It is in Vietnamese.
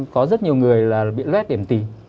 có rất nhiều người là bị lết điểm tì